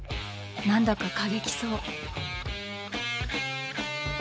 何だか過激そう。